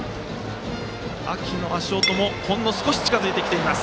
秋の足音もほんの少し近づいてきています。